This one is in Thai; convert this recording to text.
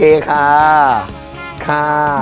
โอเคค่ะ